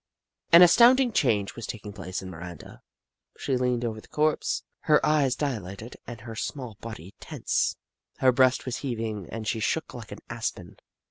An astounding change was taking place in Miranda. She leaned over the corpse, her eyes dilated and her small body tense. Her breast was heaving and she shook like an aspen.